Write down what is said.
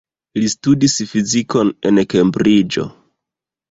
Li studis fizikon en Kembriĝo.